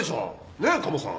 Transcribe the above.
ねえカモさん。